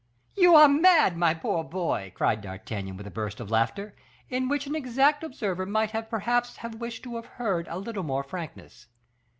"You are mad, my poor boy," cried D'Artagnan, with a burst of laughter, in which an exact observer might perhaps have wished to have heard a little more frankness.